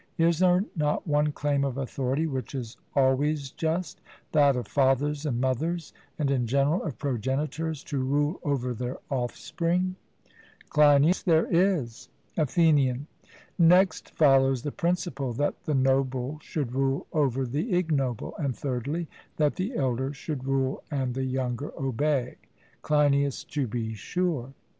Is there not one claim of authority which is always just, that of fathers and mothers and in general of progenitors to rule over their offspring? CLEINIAS: There is. ATHENIAN: Next follows the principle that the noble should rule over the ignoble; and, thirdly, that the elder should rule and the younger obey? CLEINIAS: To be sure.